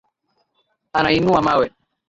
Anainua mawe.